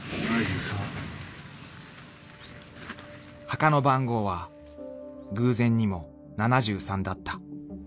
［墓の番号は偶然にも「７３」だった］